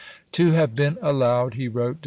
"To have been allowed," he wrote (Dec.